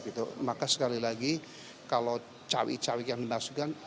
begitu maka sekali lagi kalau cawi cawi yang dimaksudkan